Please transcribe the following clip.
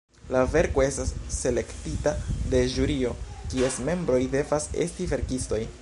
La verko estas selektita de ĵurio, kies membroj devas esti verkistoj.